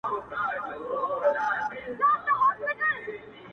بيا د تورو سترګو و بلا ته مخامخ يمه